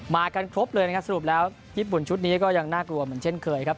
กันครบเลยนะครับสรุปแล้วญี่ปุ่นชุดนี้ก็ยังน่ากลัวเหมือนเช่นเคยครับ